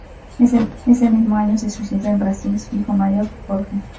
Ese mismo año se suicidó en Brasil su hijo mayor, Jorge.